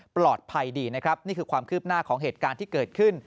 ปลอดภัยดีนะครับนี่คือความคืบหน้าของเหตุการณ์ที่เกิดขึ้น